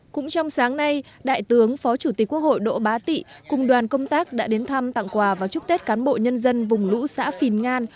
cũng trong sáng nay đại tướng phó chủ tịch quốc hội đỗ bá tị cùng đoàn công tác đã đến thăm tặng quà và chúc tết cán bộ nhân dân vùng lũ xã phìn ngan